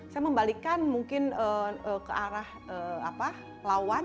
saya membalikkan mungkin ke arah lawan